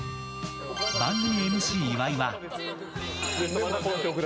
番組ＭＣ岩井は。